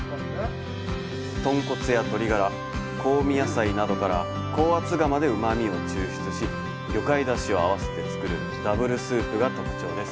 豚骨や鶏ガラ、香味野菜などから高圧釜でうまみを抽出し魚介出汁を合わせてつくるダブルスープが特徴です。